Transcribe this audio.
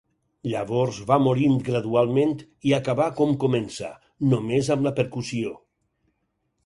Llavors va morint gradualment i acabà com comença, només amb la percussió.